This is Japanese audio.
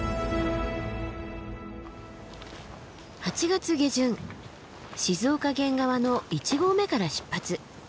８月下旬静岡県側の一合目から出発。